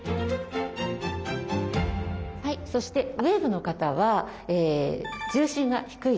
そしてウエーブの方は重心が低いです。